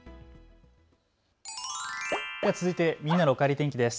では続いてみんなのおかえり天気です。